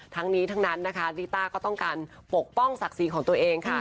ทั้งนี้ทั้งนั้นนะคะลิต้าก็ต้องการปกป้องศักดิ์ศรีของตัวเองค่ะ